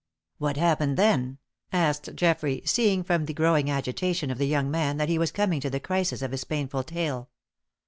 "What happened then?" asked Geoffrey, seeing, from the growing agitation of the young man, that he was coming to the crisis of his painful tale.